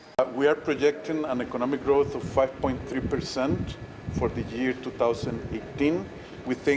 kita mencari peningkatan ekonomi lima tiga persen untuk tahun dua ribu delapan belas